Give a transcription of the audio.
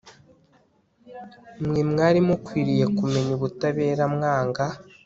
mwe mwari mukwiriye kumenya ubutabera mwanga